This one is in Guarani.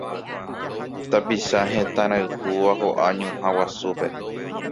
Tapicha hetãrayhúva ho'a ñuhã guasúpe